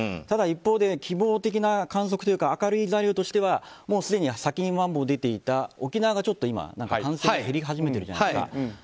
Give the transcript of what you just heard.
ただ、一方で希望的な観測というか明るい材料としてはすでに先にまん防出ていた沖縄がちょっと今、感染が減り始めてるじゃないですか。